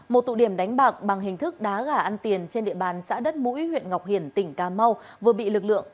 một tụ điểm đánh bạc bằng hình thức đá gà ăn tiền trên địa bàn xã đất mũi huyện ngọc hiển tỉnh cà mau vừa bị lực lượng